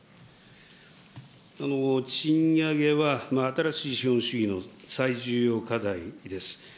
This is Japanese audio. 賃上げは、新しい資本主義の最重要課題です。